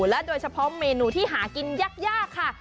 และโดยเฉพาะเมนูที่หากินยากค่ะ